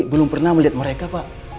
belum pernah melihat mereka pak